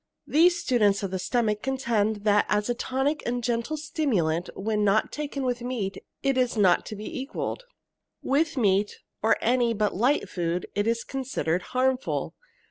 These students of the stomach contend that as a tonic and gentle stimulant, when not taken with meat, it is not to be equalled. With meat or any but light food it is considered harmful.